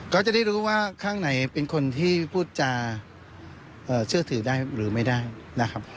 ก็จะได้รู้ว่าข้างไหนเป็นคนที่พูดจะเชื่อถือได้หรือไม่ได้นะครับ